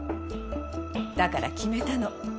だから決めたの。